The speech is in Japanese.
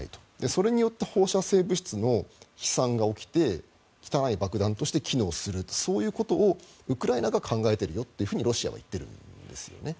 それによって放射性物質の飛散が起きて汚い爆弾として機能するというそういうことをウクライナが考えているよってロシアは言っているんですね。